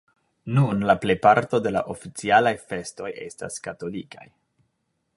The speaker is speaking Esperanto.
Nun la plejparto de la oficialaj festoj estas katolikaj.